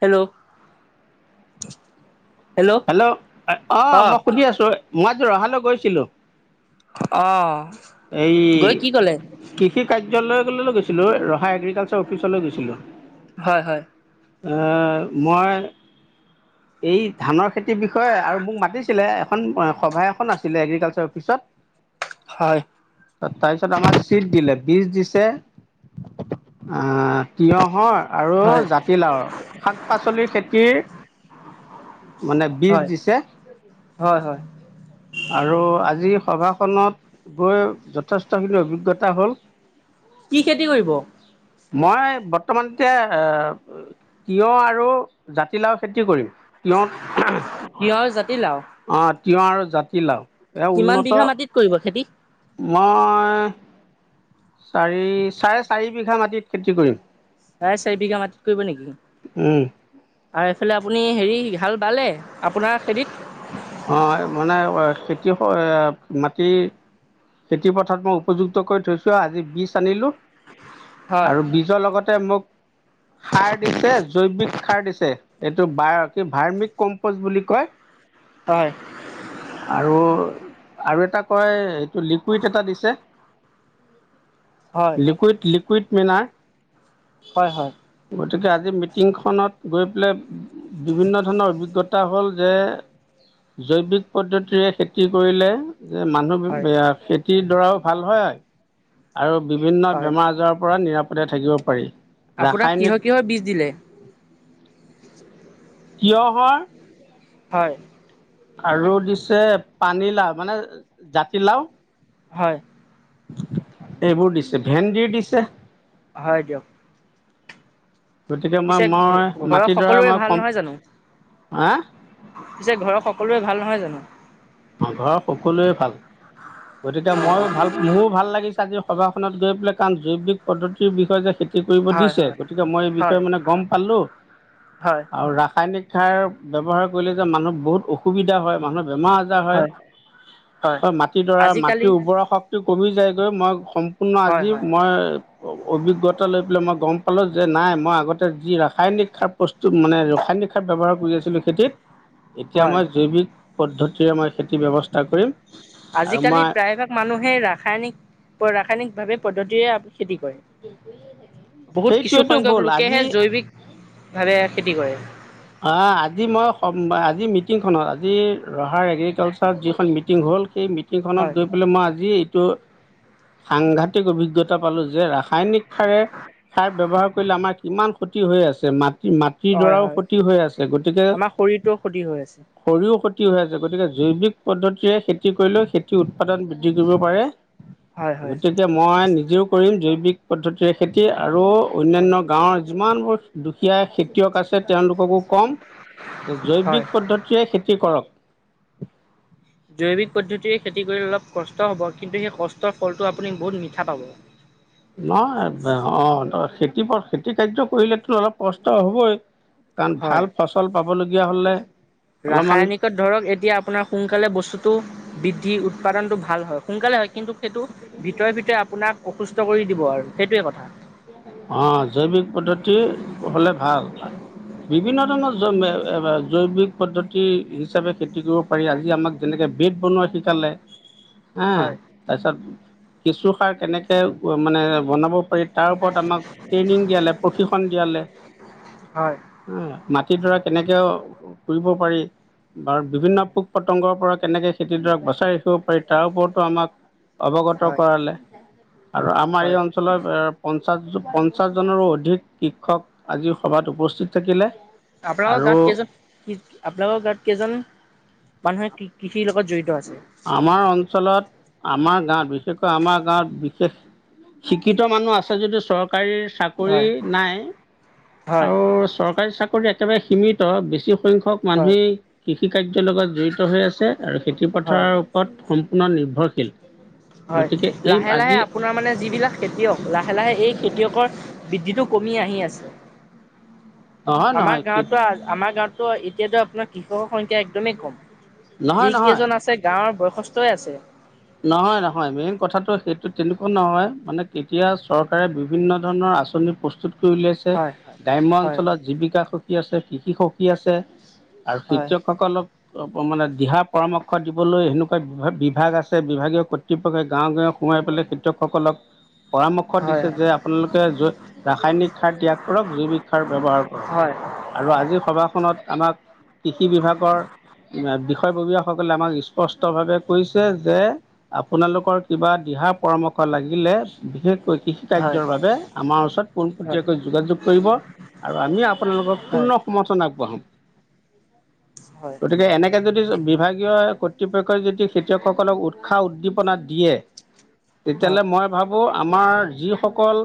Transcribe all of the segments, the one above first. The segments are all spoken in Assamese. হেল্ল' হেল্ল' অ মই সুধি আছো মই আজ ৰহালৈ গৈছিলো আহ এই কৃষি কাৰ্য বিদ্যালয়লৈ গৈছিলোঁ ৰহা এগ্ৰিকালচাৰ অফিচলৈ গৈছিলোঁ হয় হয় মই এই ধানৰ খেতিৰ বিষয়ে আৰু মোক মাতিছিলে এখন সভা এখন আছিলে এগ্ৰিকালচাৰ অফিচত হয় তাৰপিছত আমাক চিট দিলে বিজ দিছে অ তিয়ঁহৰ আৰু হয় জাতিলাওৰ শাক পাচলিৰ খেতিৰ মানে বীজ হয় দিছে হয় হয় আৰু আজি সভা ত গৈ যথেষ্টখিনি অভিজ্ঞতা হ'ল কি খেতি কৰিব মই বৰ্তমান এতিয়া তিঁয়ঁহ আৰু জাতিলাও খেতি কৰিম লন এলাও তিয়হ আৰু জাতিলাও এয়া কিমান উন্নত বিঘা মাটিত কৰিব খেতি মই চাৰি চাৰে চাৰি বিঘা মাটিত খেতি কৰিম প্ৰাৰে চাৰি বিঘা মাটিত কৰিব নেকি উম আৰু এইফালে আপুনি হেৰি কি হাল বালে আপোনাৰ খেৰিত অ মানে খেতি মাটি খেতি পথত মই উপযুক্ত কৰি থৈছো আজি বিীজ আনিলো হয় আৰু বীজৰ লগতে মোক সাৰ দিছে জৈৱিক সাৰ দিছে এইটো বাৰ কি ভাৰ্মিক কম্প'জ বুলি কয় হয় আৰু আৰু এটা কয় লিকুইড এটা দিছে হয় লিকুইড লিকুইড ম হয় হয় গতিকে আজি মিটিংখনত গৈ পেলাই বিভিন্ন ধৰণৰ অভিজ্ঞতা হ'ল যে জৈৱিক পদ্ধতিৰে খেতি কৰিলে যে মানুহ হয় খেতিৰ দাৰও ভাল হয় আৰু বিভিন্ন হয় বেমাৰ আজাৰৰ পৰা নিৰাপদে থাকিব পাৰি আপোনাক ৰাসায়নিক কিহৰ কিহৰ বীজ দিলে কিয় হয় হয় আৰু দিছে পানীলাও মানে জাতিলাও হয় এইবোৰ দিছে ভেণ্ন্দি দিছে হয় যাব গতিকে মই মই ঘৰৰ মাটিডৰা সকলোৰে মই ভাল কম নহয় জানো হা পিছে ঘৰৰ সকলোে ভাল নহয় জানো ঘৰৰ সকলোৱে ভাল গতিকে মইো ভাল মোৰো ভাল লাগিছে আজি সভাখনত গৈ পেলাই কাৰণ জৈৱিক পদ্ধতিৰ বিষয়ে যে কৰিব হয় দিছে হয় গতিকে মই এই হয় বিষয়ে মানে গম পালো হয় আৰু ৰাসায়নিক শাৰ্ৱহাৰ কৰিলে যে মানুহ বহুত অসুবিধা হয় মানুহ বেমাৰ হয় হয় মাটিডৰা আজিকালি মাটিৰ উৰ্বৰা শক্তি কমি যায়গৈ মই হয় আজি হয় মই অভিজ্ঞতা লৈ পেলাই মই গম পালো যে নাই মই আগতে যি ৰাসায়নিক সাৰ প্ৰস্তু মানে ৰাসায়নিক সাৰ ব্য্ৱহাৰ কৰি আছিলো খেতিত এতিয়া হয় আমাৰ জৈৱিক পদ্ধতিৰে আমাৰ খেতি ব্য্ৱস্থা আজিকালি প্ৰায়ভাগ মানুহে ৰাসায়নিক ৰাসায়নিক ভাৱে পদ্ধতিৰে খেতি কৰে বহুত সেইটোৱেতো কিছুসখ্য্ক ভুল লোকেহে আজি জৈৱিক ভাৱে খেতি কৰে অ আজি মই আজি মিটিংখনত আজি ৰহাৰ এগ্ৰিকালচাৰত যিখন মিটিং হল মিটিখনত হয় গৈ মই আজিটো সাংঘাতিক অভিজ্ঞতা পালো যে ৰাসায়নিক সাৰে খাৰ ব্যৱহাৰ কৰিলে আমাৰ কিমান ক্ষতি হৈ আছে মাত মাটিৰ হয় দৰাও হয় ক্ষতি হৈ আছে গতিকে আমাৰ শৰীৰটোৰ ক্ষতি হৈ আছে খৰিও ক্ষতি হৈ আছে গতিকে জৈৱিক পদ্ধতিৰে খেতি কৰিলেও খেতিৰ উৎপাদন বৃদ্ধি কৰিব পাৰে হয় হয় গতিকে মই নিজেও কৰিম জৈৱিক পদ্ধতিৰে খেতি আৰু হয় অন্যান্য গাঁৱৰ যিমানবোৰ দুখীয়া খেতিয়ক আছে তেওঁলোককো কম হয় জৈৱিক পদ্ধতিৰে খেতি কৰক জৈৱিক পদ্ধতিৰে খেতি কৰিলে অলপ কষ্ট হ'ব কিন্তু সেই কষ্টৰ ফলটো আপুনি বহুত মিঠা পাব নহয় অ খেতিথ খেতি কাৰ্য কৰিলেতো অলপ কষ্ট হ'বই কাৰণ হয় ভাল ফচল পাবলগীয়া হয় ৰাসায়নিকত ধৰক এতিয়া আপোনাৰ সোনকালে বস্তুতটো বৃদ্ধি উৎপাদনটো ভাল হয় সোনকালে হয় কিন্তু সেইটো ভিতৰে ভিতৰে আপোনাক অসুস্থ কৰি দিব আৰু সেইটোৱে কথা অ জৈৱিক পদ্ধতি হ'লে ভাল বিভিন্ন ধৰণৰ জৈ জৈৱিক পদ্ধতি হিচাপে খেতি কৰিব পাৰি আজি আমাক যেনেকে বিট বনোৱা চ চালে হা হয় তাৰপিছত কিচু সাৰ কেনেকে মানে বনাব পাৰি তাৰ ওপৰত আমাক ট্ৰেইনিং দিয়ালে প্ৰশিক্ষণ দিয়ালে হয় খ দৰা কেনেকেও ফুৰিব পাৰি বা বিভিন্ন হয় পোক পতংগৰ পৰা কেনেকে খেতিডৰক বচাই ৰাখিব পাৰি তাৰ ওপৰতো আমাক অৱগত হয় কৰালে আৰু আমাৰ এই হয় অঞ্চলৰ পঞ্চাছ পঞ্চাছজনৰো অধিক শিক্ষক আজি সভাত উপস্থিত থাকিলে আপোনালোকৰ আৰু গাত কেইজন কি আপ্োনালোকৰ গাত কেইজন মানুহে কৃষিৰ লগত জড়িত আছে আমাৰ অঞ্চলত আমাৰ গাঁৱত বিশেষকৈ আমাৰ গাঁৱত বিশেষ শিক্ষিত মানুহ আছে যদি চৰকাৰ চৰকাৰী চাকৰি হয় নাই হয় আৰু চৰকাৰী চাকৰি একেবাৰে সীমিত বেছি সংখ্যক হয় মানুহেই কৃষি কাৰ্যৰ লগত জড়িত হৈ আছে আৰু পথাৰ হয় ওপৰত সম্পূৰ্ণ নিৰ্ভৰশীল হয় গতিকে এই লাহে লাহে আজি আপোনাৰ মানে যিবিলাক খেতিয়ক লাহে লাহে এই খেতিয়কৰ বৃদ্ধিটো কমি আহি আছে নহয় আমাৰ নহয় গাঁৱতো আমাৰ গাঁৱত ত এতিয়াতো আপোনাৰ কৃষকৰ সংখ্যা একদমেই কম নহয় নহয় যিিকেইজন আছে গাঁৱৰ বয়সস্থই আছে নহয় নহয় মেইন কথাটো সেইটো তেনেকুৱা নহয় মানে কেতিয়া চৰকাৰে বিভিন্ন ধৰণৰ আঁচনি প্ৰস্তুত কৰি উলাইছে হয় গ্ৰাম্য হয় অঞ্চলত জীৱিকা সখী আছে কৃষি সখী আছে আৰু হয় শিক্ষকসকলক মানে দিহা পৰামৰ্শ দিবলৈ সেনেকুৱা বিভাগ আছে বিভাগীয় কৰ্তৃপক্ষই গাঁও গাঁৱ সোমোৱাই পেলাই কৃতিয়কসকলক পৰামৰ্শ দিছে হয় যে আপোনালোকে ৰাসায়নিক সাৰ ত্যাগ কৰক জৈৱিক সাৰ ব্যৱহাৰ কৰক হয় হয় হয় আৰু আজিৰ সভাখনত আমাক কৃষি বিভাগৰয় শষববীয়াসকলে আমাক স্পষ্টভাৱে কৈছে যে আপোনালোকৰ কিবা দিহা পৰামৰ্শ লাগিলে বিশেষকৈ কৃষি হয় কাৰ্যৰ বাবে আমাৰ ওচৰত হয় পোনপটীয়াকৈ যোগাযোগ কৰিব আৰু আমি আপোনালোকক হয় পূৰ্ণ সমৰ্থন আগবঢ়াম হয় গতিকে এনেকে যদি বিভাগীয় কৰ্তৃপক্ষই যদি খেতিয়ক লোক সকলক উৎসাহ উদ্দীপনা দিয়ে তেতিয়াহ'লে মই ভাবোঁ আমাৰ যিসকল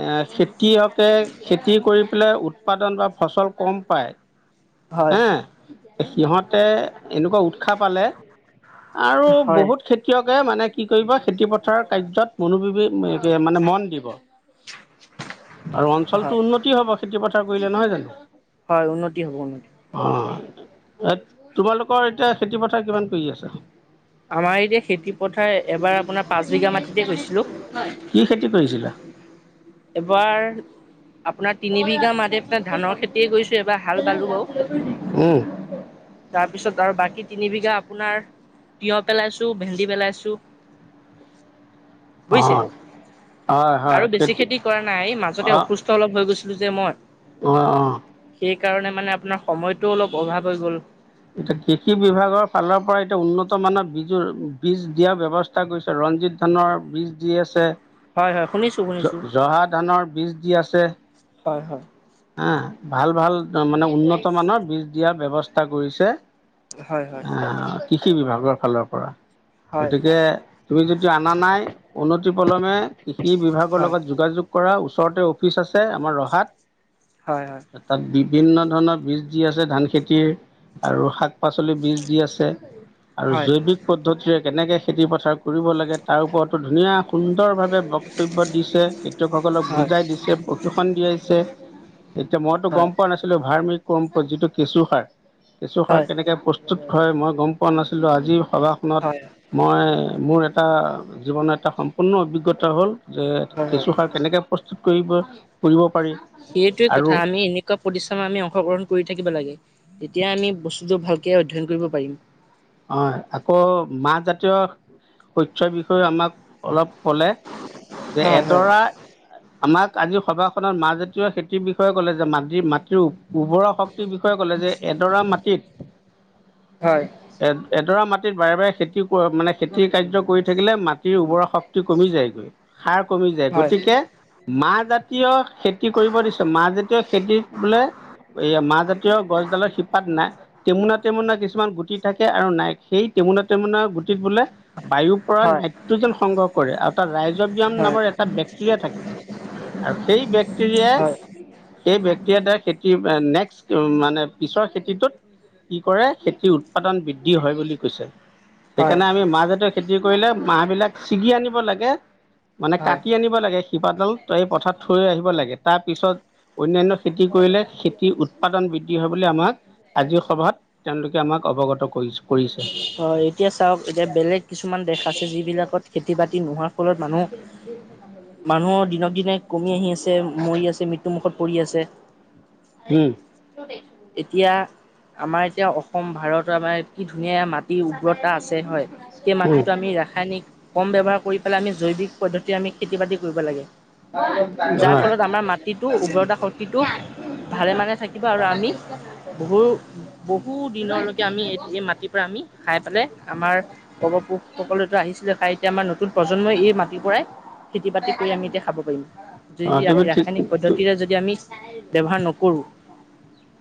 এ খেতিয় হকে খেতি কৰি পেলাই উৎপাদন বা ফচল কম পায় হয় হে সিহঁতে এনেকুৱা উৎসাহ পালে আৰু হয় বহুত খেতিয়ক মানে কি কৰিব খেতি পথাৰৰ কাৰ্যত মনোবি মানে মন দিব আৰু হয় অঞ্চলটো উন্নতি হব খেতি পথাৰ কৰিলে নহয় জানো হয় উন্নতি হব উন্নতি তোমালোকৰ এতিয়া খেতি পথাৰ কিমান কৰি আছে আমাৰ এতিয়া খেতি পথাৰ এবাৰ আপোনাৰ পাঁচ বিঘা মাটিতে গৈছিলোঁ কি খেতি কৰিছে এবাৰ আপোনাৰ তিন বিঘা মাদে ধানৰ খেতিয়ে কৰিছো এবাৰ হাল বালো বাৰু উম তাৰপিছত আৰু বাকী তিনিবঘা আপোনাৰ তিঁয়হ পেলাইছোঁ ভেন্দি পেলাইছোঁ বুজিছে অঁ হয় হয় আৰু বেছি খেতি কৰা নাই মাজতে অসুস্থ অলপ হৈ গৈছিলো যে মই অ অ সেইকাৰণে মানে আপোনাৰ সময়তটো অলপ অভাৱ হৈ গ'ল এতিয়া কৃষি োৰ বীজ দিয়াৰ ব্যৱস্থা কৰিছে ৰঞ্জিত ধানৰ বীজ দি আছে হয় হয় শুনিছো শুনিছো জহা ধানৰ বীজ দি আছে হয় হয় হ ভাল ভাল মানে উন্নত মানৰ বীজ দিয়াৰ ব্য্ৱস্থা কৰিছে হয় হয় কৃষি বিভাগৰ ফালৰ পৰা হয় গতিকে তুমি যদি অনা নাই উন্তি পলমে কৃষি বিভাগৰ হয় লগত যোগাযোগ চ হয় হয় হয় অি আ বিভিন্ন ধৰণৰ বীজ দি আছে ধান খেতিৰ আৰু শাক শাক পাচলি বীজ দি আছে আৰু হয় জৈৱিক পদ্ধতিৰে কেনেকে খেতি পথাৰ কৰিব লাগে তাৰ ওপৰত ধুনীয়া সুন্দৰভাৱে বক্তব্য দিছে শিক্ষকসকলক হয় বুজাই দিছে প্ৰশিক্ষণ দিয়াইছে এতিয়া মইতো গম পোৱা নাছিলো ভাৰ্মিক কম্প যিটো কেঁচু সাৰ কেঁচুসাৰ হয় কেনেকৈ প্ৰস্তুত হয় মই গম পোৱা নাছিলোঁ আজিৰ সভাখনত হয় মই মোৰ এটা জীৱনৰ এটা সম্পূৰ্ণ অভিজ্ঞতা হ'ল যে হয় হয় কেঁচু সাৰ কেনেকৈ প্ৰস্তুত কৰিব কৰিব পাৰি সেইটে আৰু কথা আমি এনেকুৱা প্ৰতি্্ৰম আমি অংশগ্ৰহণ কৰি থাকিব লাগে তেতিয়া আমি বস্তুটো ভালকে অধ্যয়ন কৰিব পাৰিম হয় আকৌ মাহ জাতীয় শসয়ৰ বিষয়ে আমাক অলপ ক'লে যে হয় হয় এডৰা আমাক আজি সভাখনত মাহাজাতীয় খেতিৰ বিষয়ে ক'লে যে মাটিৰ মাটিৰ উভৰা শক্তিৰ বিষয়ে ক'লে যে এডৰা মাটিত হয় এ এডৰা মাটিত বাৰে বাৰে খেতি মানে খেতিৰ কাৰ্য কৰি থাকিলে মাটিৰ উৰ্বৰা শক্তি কমি যায়গৈ সাৰ কমি যায় হয় গতিকে মাহ জাতীয় খেতি কৰিব দিছেো মাহ যেতিীয় খেতি বোলে এই মাহ জাতীয় গছডালৰ শিপাত নাই মুনা মুনা কিছুমানো থাকে আৰু নাই সেই টেমুনা টেমুনা গোটেই বোলে বায়ুৰ পৰা হয় নাইট্ৰজেন সংগ্ৰহ কৰে আৰু তাত ৰাইজবাম হয় নামৰ এটা বেক্টেৰিয়া থাকে আৰু সেই বেক্টেৰিয়া হয় হয় সেই বেক্টেৰিয়াাৰ খেতি নেক্স উ মানে পিছৰ খেতিটোত কি কৰে খেতিৰ উৎপাদন বৃদ্ধি হয় বুলি কৈছে সেইকাৰণে হয় আমি মাহ জাতীয় খেতি কৰিলে মাহ বিলাক ছিগি আনিব লাগে মানে কাটি আনিব লাগে শিপাডাল এই পথাৰ থৈ আহিব লাগে তাৰ পিছত অনন্য়ান্য খেতি কৰিলে খেতিৰ উৎপাদন বৃদ্ধি হব আমাক আজিৰ সভাত তেওঁলোকে আমাক অৱগত কৰিছে হয় এতিয়া চাওক এতিয়া বেলেগ কিছুমান দেশ আছে য বিিলাকত খেতি বাতি নোহোৱাৰ ফলত মানুহ মানুহ দিনক দিনে কমি আহি আছে মৰি আছে মৃত্যুমুখত কৰি আছে উম। এতিয়া আমাৰ এতিয়া অসম ভাৰতৰ আমাৰ কি ধুনীয়া মাত মাটিৰ উ্বৰতা আছে হয় সেই উম মাটিটো আমি ৰাসায়নিক কম ব্যৱহাৰ কৰি পেলাই আমি জৈৱিক পদ্ধতি আমি খেতি বাতি কৰিব লাগে যাৰ হয়। ফলত আমাৰ মাটিটো উৰ্বৰতা শক্তিটো ভালে মানে থাকিব আৰু আমি বহু বহু দিনলৈকে আমি এ এই মাটিৰ পৰা আমি খাই পেলাই আমাৰ পৰ্বপুৰুষসকলেতো আহিছিলে খাই এতিয়া আমাৰ নতুন প্ৰজন্মই এই মাটিৰ পৰাই খেতি বাতি কৰি আমি এতিয়া খাব অ য তুমি ঠিক আমি ব্যহ নো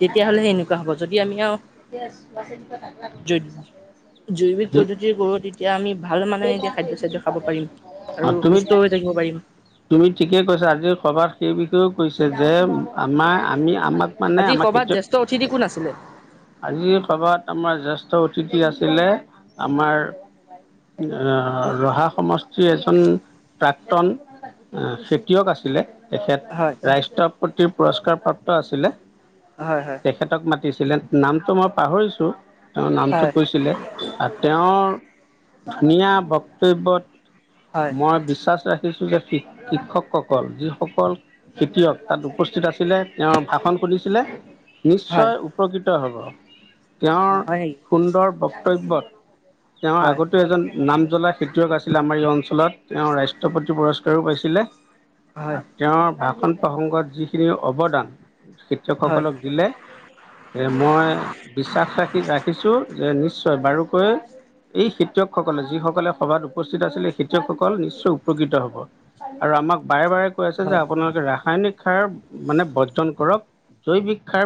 তেতিয়াহ'লে সেনেকুৱা হ'ব যদি আমি আৰু দে বচন্ত ৈ জৈৱিক পদ্ধতিৰ কৰৰু তেতিয়া আমি ভাল মানহে এতিয়া খাদ্য চাদ্যয় খাব পাৰিম অ', আৰু তুমি সুস্থ হৈ থাকিব পাৰিম তুমি ঠিকে কৈছা আজিৰ সভাত সেই বিষয়েও কৈছে যে আমাৰ আমি আমাক মানে আজি আমাক কৰ'বাত জ্যেষ্ঠ অতিথি সেইটোত কোন আছিলে আজিৰ সভাত আমাৰ জ্যেষ্ঠ অতিথি আছিলে আমাৰ ৰহা সমষ্টি এজন প্ৰাক্তন অ খেতিয়ক আছিলে তেখেত হয় ৰাষ্ট্ৰপতি পুৰস্কাৰ প্ৰাপ্ত আছিলে হয় তেখেতক মাত ছিলে নামটো মই পাহৰিছো তেওঁ নামটো হয় কৈছিলে আৰু তেওঁৰ ধুনীয়া বক্তব্যত হয় মই বিশ্বাস ৰাখি যে শিক্ষকসকল যিসকল খেতিয়ক তাত উপস্থিত আছিলে তেওঁ ভাষণ সছিলে হয় নিশ্চয় উপকৃত হ'ব হয় অ তেওঁৰ হয় নেকি সুন্দৰ বক্তব্যত তেওঁৰ হয় আগতেো এজন নাম জ্বলা খেতিয়ক আছিলে আমাৰ এই অঞ্চলত তেওঁ ৰাষ্ট্ৰপতি পুৰস্কাৰ পাইছিলে হয় আৰু তেওঁৰ ভাষণ প্ৰসংগত যিখিনি অৱদান হয় শিক্ষকসকলক দিলে মই বিশ্বাস ৰাখি ৰাখিছো যে নিশ্চয় নিশ্চয় বাৰুকৈ এই খেতিয়কসকলে যিসকলে সভাত উপস্থিত আছিলে এই খেতিয়কসকল নিশ্চয় উপকৃত হব আৰু আমাক বাৰে বাৰে কৈ আছে হয় যে আপোনালোকে ৰাসায়নিক সাৰ মানে বৰ্জন কৰক জৈৱিক সাৰ